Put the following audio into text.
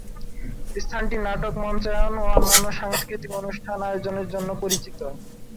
স্থানটি নাটক মঞ্চায়ন ও অন্যান্য সাংস্কৃতিক অনুষ্ঠান আয়োজনের জন্য পরিচিত।